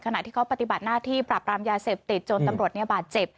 ขณะที่เขาปฏิบัติหน้าที่ปรับรามยาเสพติดจนตำรวจบาดเจ็บ